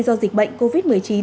do dịch bệnh covid một mươi chín